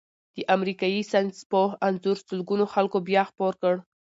د امریکايي ساینسپوه انځور سلګونو خلکو بیا خپور کړی.